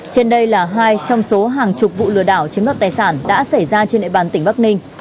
trên đây là hai trong số hàng chục vụ lừa đảo chiếm đoạt tài sản đã xảy ra trên địa bàn tỉnh bắc ninh